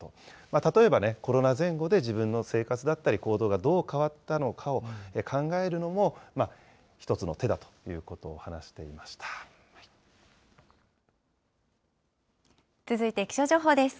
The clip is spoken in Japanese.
例えばね、コロナ前後で自分の生活だったり、行動がどう変わったのかを考えるのも一つの手だということを話し続いて気象情報です。